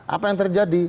apa yang terjadi